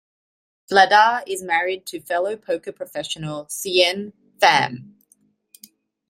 Vladar is married to fellow poker professional Xuyen Pham.